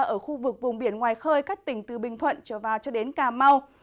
ở khu vực vùng biển ngoài khơi các tỉnh từ bình thuận trở vào cho đến cà mau